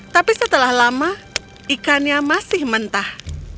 tapi setelah lama ikannya masih mentah